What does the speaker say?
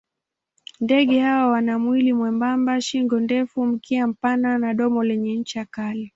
Ndege hawa wana mwili mwembamba, shingo ndefu, mkia mpana na domo lenye ncha kali.